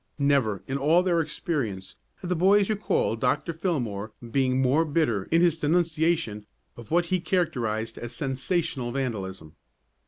Never, in all their experience, had the boys recalled Dr. Fillmore being more bitter in his denunciation of what he characterized as "sensational vandalism."